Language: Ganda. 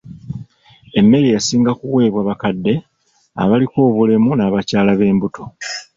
Emmere yasinga kuweebwa bakadde, abaliko obulemu n'abakyala b'embuto.